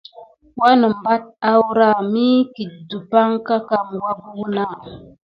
Wanəmbat awrah miyzkit dupanka kam wabé wuna.